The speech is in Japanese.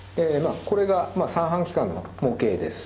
これが三半規管の模型です。